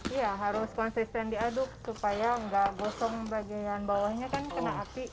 iya harus konsisten diaduk supaya nggak gosong bagian bawahnya kan kena api